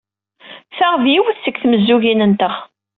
Ta d yiwet seg tmezzugin-nteɣ.